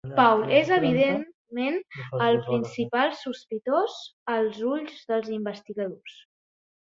Paul és evidentment el principal sospitós als ulls dels investigadors.